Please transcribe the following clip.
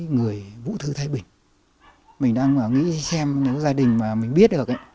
người vũ thư thái bình mình đang nghĩ xem những gia đình mà mình biết được ấy